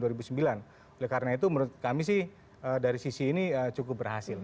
oleh karena itu menurut kami sih dari sisi ini cukup berhasil